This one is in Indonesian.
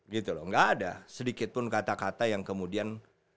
gitu loh gak ada sedikit pun kata kata yang kemudian